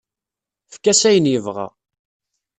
Efk-as ayen yebɣa.